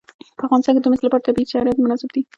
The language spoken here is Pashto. په افغانستان کې د مس لپاره طبیعي شرایط مناسب دي.